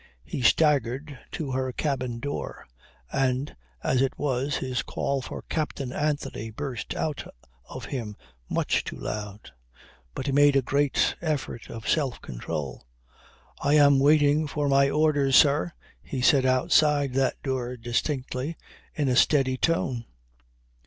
He staggered to her cabin door, and, as it was, his call for "Captain Anthony" burst out of him much too loud; but he made a great effort of self control. "I am waiting for my orders, sir," he said outside that door distinctly, in a steady tone.